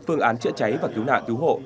phương án chữa cháy và cứu nạn cứu hộ